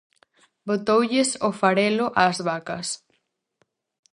Botoulles o farelo ás vacas.